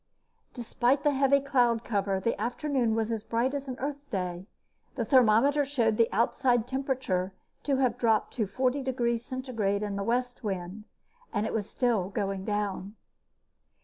Despite the heavy cloud cover, the afternoon was as bright as an Earth day. The thermometer showed the outside temperature to have dropped to 40 degrees Centigrade in the west wind, and it was still going down.